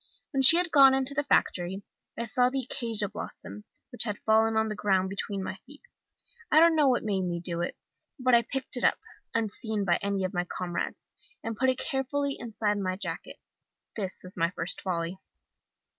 When she had gone into the factory, I saw the acacia blossom, which had fallen on the ground between my feet. I don't know what made me do it, but I picked it up, unseen by any of my comrades, and put it carefully inside my jacket. That was my first folly.